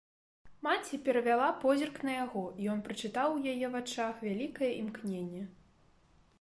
Маці перавяла позірк на яго, і ён прачытаў у яе вачах вялікае імкненне.